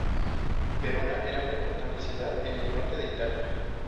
Verona era una importante ciudad en el norte de Italia.